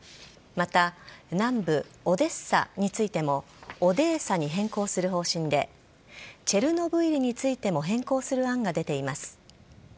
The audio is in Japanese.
また、南部・オデッサについてもオデーサに変更する方針でチェルノブイリについても変更する案が出ています。